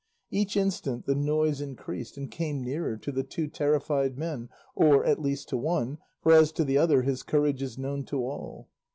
Each instant the noise increased and came nearer to the two terrified men, or at least to one, for as to the other, his courage is known to all.